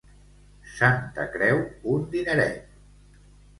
Santa Creu, un dineret.